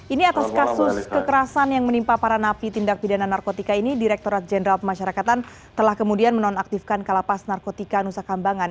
ini atas kasus kekerasan yang menimpa para napi tindak pidana narkotika ini direkturat jenderal pemasyarakatan telah kemudian menonaktifkan kalapas narkotika nusa kambangan